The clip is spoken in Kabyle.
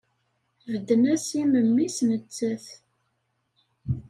Bedden-as i memmi-s nettat.